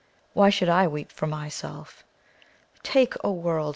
Why should I weep for myself? "Take, O world!